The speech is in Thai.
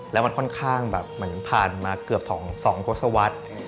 แล้วมันค่อนข้างแบบมันผ่านมาเกือบ๒โฆษวัตร